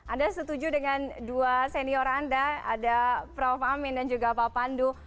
anda setuju dengan dua senior anda ada prof amin dan juga pak pandu